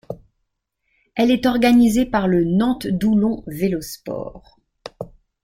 Elle est organisée par le Nantes Doulon Vélo Sport.